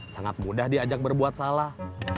sangat mudah diajak berbuat salah